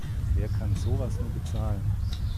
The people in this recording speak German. Wer kann sowas nur bezahlen?